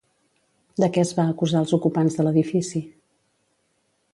De què es va acusar els ocupants de l'edifici?